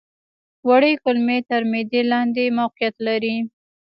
وړې کولمې تر معدې لاندې موقعیت لري.